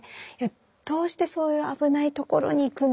「どうしてそういう危ないところに行くんだ」